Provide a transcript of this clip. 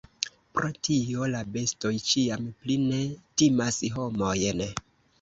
Pro tio la bestoj ĉiam pli ne timas homojn.